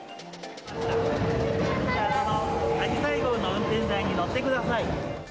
あじさい号の運転台に乗ってください。